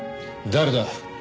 誰だ？